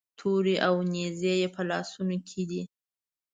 تورې او نیزې یې په لاسونو کې دي.